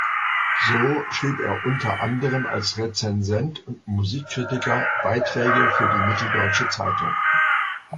So schrieb er unter anderem als Rezensent und Musikkritiker Beiträge für die Mitteldeutsche Zeitung.